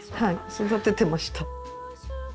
育ててました。